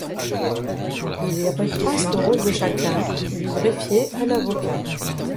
Il y retrace le rôle de chacun, du greffier à l'avocat.